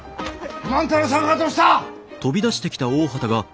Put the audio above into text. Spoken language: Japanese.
万太郎さんがどうした！？